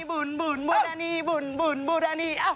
บุ่นบุ่นบุรณีบุ่นบุ่นบุรณี